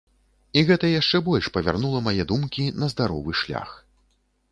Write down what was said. І гэта яшчэ больш павярнула мае думкі на здаровы шлях.